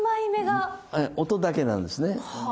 音だけなんですね。